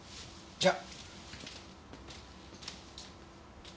じゃあ。